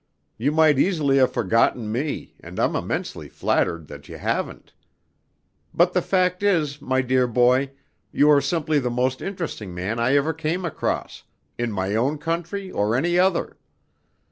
You might easily have forgotten me, and I'm immensely flattered that you haven't. But the fact is, my dear boy, you are simply the most interesting man I ever came across, in my own country or any other.